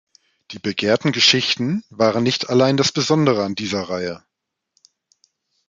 Die begehrten Geschichten waren nicht allein das Besondere an dieser Reihe.